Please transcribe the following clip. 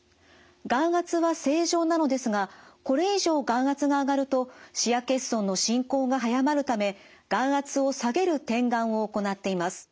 眼圧は正常なのですがこれ以上眼圧が上がると視野欠損の進行が早まるため眼圧を下げる点眼を行っています。